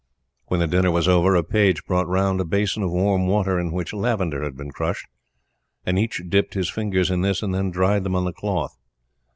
When the dinner was over a page brought round a basin of warm water, in which lavender had been crushed, and each dipped his fingers in this and then dried them on the cloth.